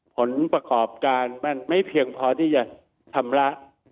ผลประกอบการมันไม่เพียงพอที่จะชำระ